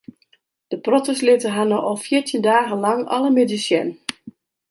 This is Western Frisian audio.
De protters litte har no al fjirtjin dagen lang alle middeis sjen.